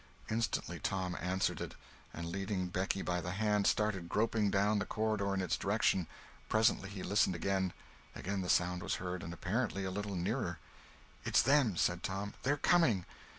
Instantly Tom answered it, and leading Becky by the hand, started groping down the corridor in its direction. Presently he listened again; again the sound was heard, and apparently a little nearer. "It's them!" said Tom; "they're coming!